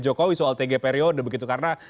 jokowi soal tiga periode begitu karena